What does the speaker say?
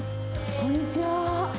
こんにちは。